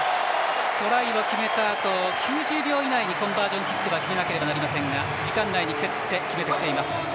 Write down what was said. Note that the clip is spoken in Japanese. トライを決めたあと９０秒以内にコンバージョンキックを決めなければなりませんが時間内に蹴って決めてきています。